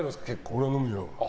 俺は飲むよ。